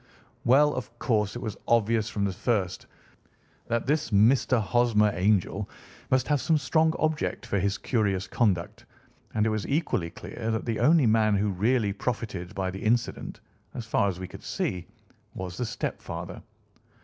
"Well, of course it was obvious from the first that this Mr. Hosmer Angel must have some strong object for his curious conduct, and it was equally clear that the only man who really profited by the incident, as far as we could see, was the stepfather.